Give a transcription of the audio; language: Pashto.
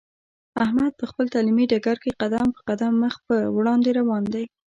احمد په خپل تعلیمي ډګر کې قدم په قدم مخ په وړاندې روان دی.